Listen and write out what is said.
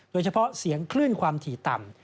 โดยเฉพาะเสียงคลื่นความถี่ต่ำ